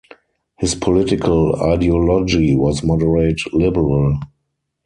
His political ideology was moderate liberal.